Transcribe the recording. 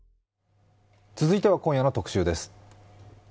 続いては今夜の特集です。